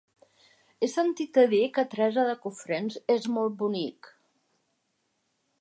He sentit a dir que Teresa de Cofrents és molt bonic.